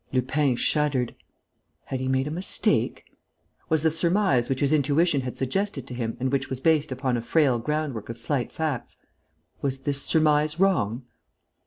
Lupin shuddered. Had he made a mistake? Was the surmise which his intuition had suggested to him and which was based upon a frail groundwork of slight facts, was this surmise wrong?